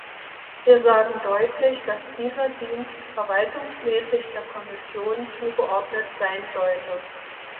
Wir sagen deutlich, dass dieser Dienst verwaltungsmäßig der Kommission zugeordnet sein sollte.